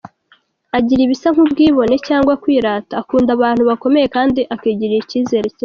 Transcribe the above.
Agira ibisa nk’ubwibone cyangwa kwirata, akunda abantu bakomeye kandi akigirira icyizere cyinshi.